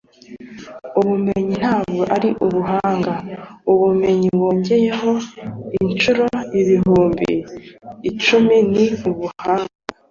ubumenyi ntabwo ari ubuhanga. ubumenyi wongeyeho inshuro ibihumbi icumi ni ubuhanga